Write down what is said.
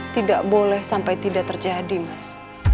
tidak boleh sampai tidak terjadi mas